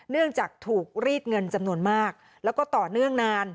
เนื่องจากถูกรีดเงินจำนวนมากแล้วก็ต่อเนื่องนาน